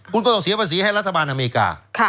คุณก็ต้องเสียภาษีให้รัฐบาลอเมริกา